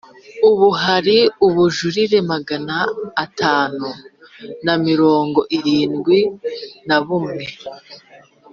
Ubu hari ubujurire magana atanu na mirongo irindwi na bumwe